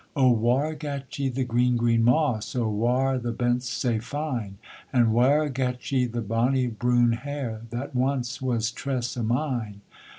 'O whaur gat ye the green, green moss, O whaur the bents sae fine? And whaur gat ye the bonny broun hair That ance was tress o' mine?'